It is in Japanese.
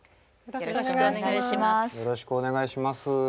よろしくお願いします。